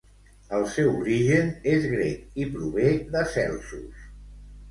El seu origen és grec i prové de 'Celsus'.